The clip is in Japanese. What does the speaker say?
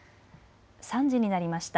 ３時になりました。